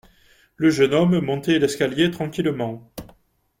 Le jeune homme montait l’escalier tranquillement.